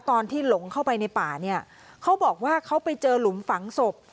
หลงเข้าไปในป่าเนี่ยเขาบอกว่าเขาไปเจอหลุมฝังศพ